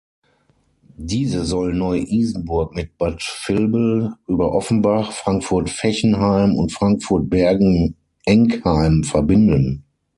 Diese soll Neu-Isenburg mit Bad Vilbel über Offenbach, Frankfurt-Fechenheim und Frankfurt-Bergen-Enkheim verbinden.